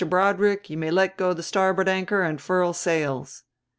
Broadrick, you may let go the starboard anchor and furl sails."